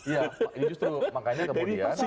justru makanya kemudian